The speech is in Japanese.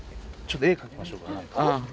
絵描きましょうか。